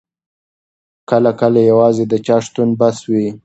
کله کله یوازې د چا شتون بس وي.